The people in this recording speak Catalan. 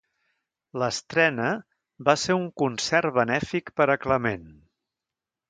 L'estrena va ser en un concert benèfic per a Clement.